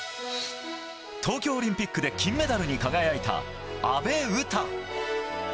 東京オリンピックで金メダルに輝いた阿部詩。